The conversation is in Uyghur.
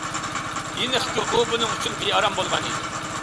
ئېنىقكى، ئۇ بۇنىڭ ئۈچۈن بىئارام بولغان ئىدى.